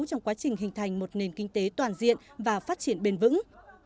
trong quá trình hình thành một nền kinh tế toàn diện và phát triển bền vững